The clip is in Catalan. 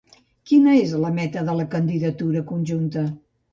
Quina és la meta de la candidatura conjunta?